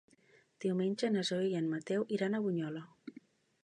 Diumenge na Zoè i en Mateu iran a Bunyola.